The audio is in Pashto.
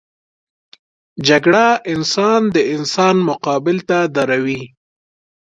جګړه انسان د انسان مقابل ته دروي